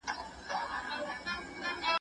موږ باید د خپلو کلتوري ارزښتونو ساتنه وکړو.